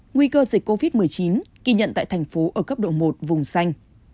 nguy cơ dịch covid một mươi chín ghi nhận tại thành phố ở cấp độ một vùng xanh